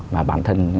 và bản thân